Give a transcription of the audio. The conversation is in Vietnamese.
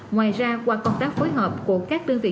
ngoài ra qua công tác phối hợp của các đơn vị